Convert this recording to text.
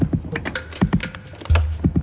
kasiat mereka tuh jangan diturunkan